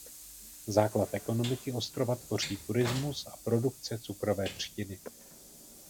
Základ ekonomiky ostrova tvoří turismus a produkce cukrové třtiny.